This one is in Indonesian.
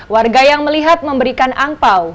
warga yang melihat memberikan angpao